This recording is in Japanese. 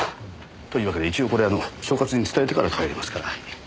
というわけで一応これあの所轄に伝えてから帰りますから。